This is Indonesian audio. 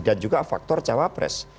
dan juga faktor cawapres